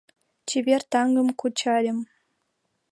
Чевер таҥым кучальым